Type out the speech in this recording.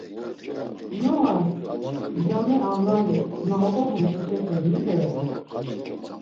Noğas, came avlas na oǩobğun ǩoçepe mipe renan?